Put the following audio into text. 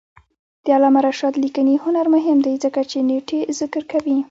د علامه رشاد لیکنی هنر مهم دی ځکه چې نېټې ذکر کوي.